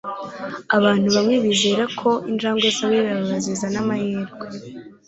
abantu bamwe bizera ko injangwe zabirabura zizana amahirwe